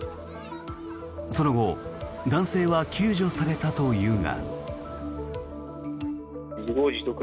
その後、男性は救助されたというが。